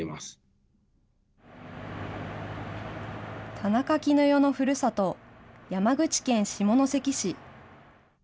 田中絹代のふるさと、山口県下関市。